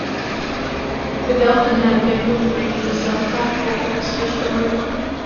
The Delphin had a bamboo frame with a sailcloth hull stretched over it.